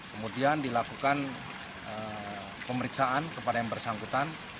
kemudian dilakukan pemeriksaan kepada yang bersangkutan